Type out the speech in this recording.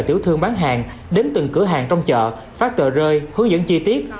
tiểu thương bán hàng đến từng cửa hàng trong chợ phát tờ rơi hướng dẫn chi tiết